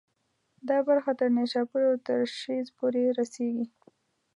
دا برخه تر نیشاپور او ترشیز پورې رسېږي.